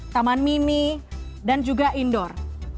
taman mini dan juga indoor